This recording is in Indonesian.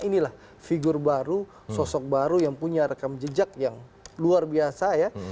inilah figur baru sosok baru yang punya rekam jejak yang luar biasa ya